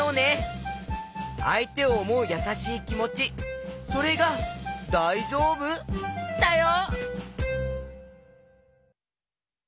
あいてをおもうやさしいきもちそれが「だいじょうぶ？」だよ！